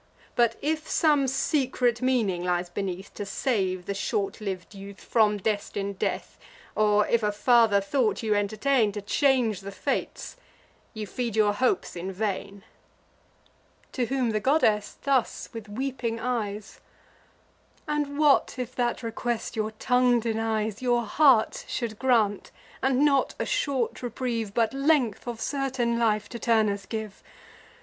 But, if some secret meaning lies beneath, To save the short liv'd youth from destin'd death, Or if a farther thought you entertain, To change the fates; you feed your hopes in vain." To whom the goddess thus, with weeping eyes: "And what if that request, your tongue denies, Your heart should grant; and not a short reprieve, But length of certain life, to Turnus give?